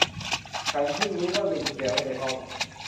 ฉันเพิ่งรู้ว่าลืมกุญแจไว้ในห้อง